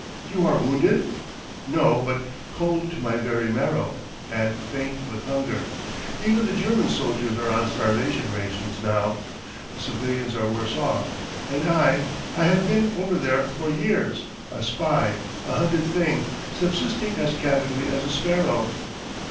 "You are wounded?" "No but cold to my very marrow, and faint with hunger. Even the German soldiers are on starvation rations, now; the civilians are worse off; and I I have been over there for years, a spy, a hunted thing, subsisting as casually as a sparrow!"